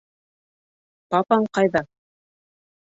Папаң ҡайҙа?